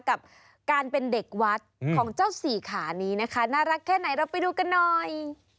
กับการเป็นเด็กวัดของเจ้าสี่ขานี้นะคะน่ารักแค่ไหนเราไปดูกันหน่อย